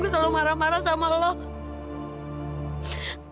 aku selalu marah marah dengan kamu